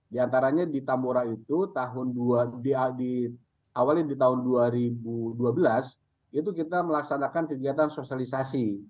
di antaranya di tambora itu di awalnya di tahun dua ribu dua belas itu kita melaksanakan kegiatan sosialisasi